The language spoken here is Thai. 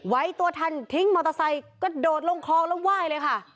ไว้ตัวทันทิ้งมอเตอร์ไซค์กระโดดลงคลองแล้วไหว้เลยค่ะ